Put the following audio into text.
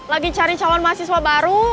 lagi cari calon mahasiswa baru